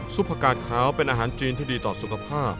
ผักกาดขาวเป็นอาหารจีนที่ดีต่อสุขภาพ